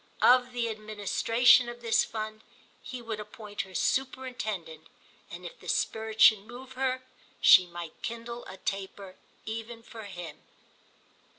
Of the administration of this fund he would appoint her superintendent, and if the spirit should move her she might kindle a taper even for him.